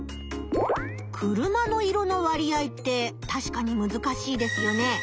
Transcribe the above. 車の色の割合ってたしかにむずかしいですよね。